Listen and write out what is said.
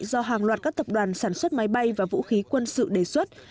do hàng loạt các tập đoàn sản xuất máy bay và vũ khí quân sự đề xuất